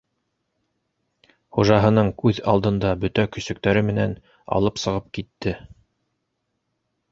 Хужаһының күҙ алдында бөтә көсөктәре менән алып сығып китте!